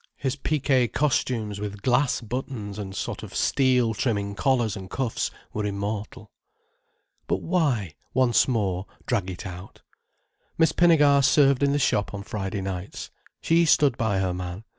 His piqué costumes with glass buttons and sort of steel trimming collars and cuffs were immortal. But why, once more, drag it out. Miss Pinnegar served in the shop on Friday nights. She stood by her man.